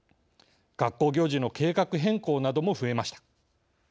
学校行事の計画変更なども増えました。